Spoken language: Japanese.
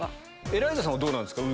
エライザさんはどうなんですか？